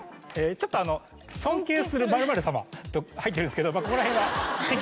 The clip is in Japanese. ちょっとあの「尊敬する○○様」と入ってるんですけどここら辺は。